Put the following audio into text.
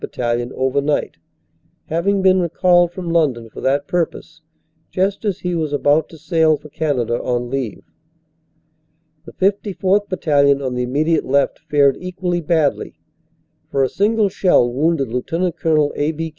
Battalion over night, having been recalled from London for that purpose just as he was about to sail for Canada on leave. The 54th. Battalion on the immediate left fared equally badly, for a single shell wounded Lt. Col. A. B.